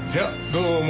どうも。